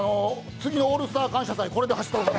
次の「オールスター感謝祭」、これで走った方が。